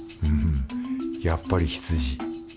やっぱり羊。